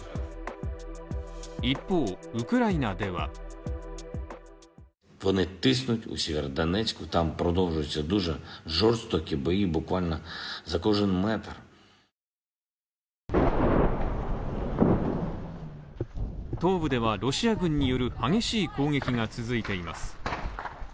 一方、ウクライナでは東部では、ロシア軍による激しい攻撃が続いています。